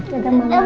aku pulang dulu ya